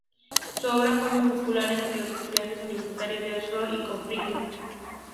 Su obra fue muy popular entre los estudiantes universitarios de Oxford y Cambridge.